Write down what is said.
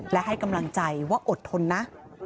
และให้กำลังใจว่าอดทนนะ